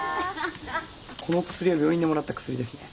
この薬は病院でもらった薬ですね。